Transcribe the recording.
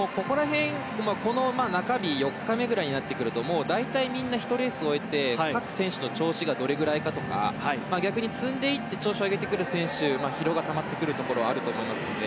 中日、４日目ぐらいになってくると大体みんな、１レース終えて各選手の調子がどれぐらいかとか逆に、積んでいって調子を上げてくる選手や疲労がたまるところもあると思いますので。